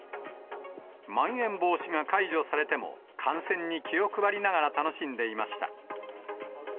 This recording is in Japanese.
まん延防止が解除されても、感染に気を配りながら楽しんでいました。